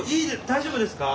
大丈夫ですか？